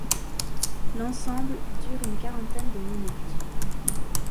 L'ensemble dure une quarantaine de minutes.